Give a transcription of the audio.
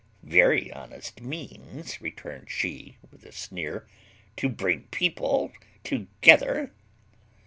"Very honest means," returned she, with a sneer, "to bring people together."